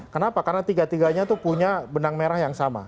kenapa karena tiga tiganya itu punya benang merah yang sama